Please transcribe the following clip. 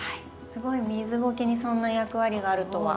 すごい水ごけにそんな役割があるとは。